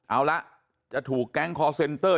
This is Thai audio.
เอาละจะถูกแก๊งคอร์เซ็นเตอร์